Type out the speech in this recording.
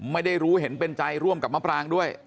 ไม่ได้รู้เห็นเป็นใจร่วมกับมะปรางด้วย